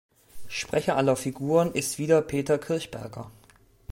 Sprecher aller Figuren ist wieder Peter Kirchberger.